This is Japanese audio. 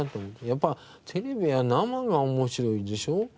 やっぱテレビは生が面白いでしょ。